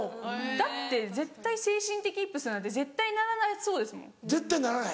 だって絶対精神的イップスなんて絶対ならなそうですもん。絶対ならない。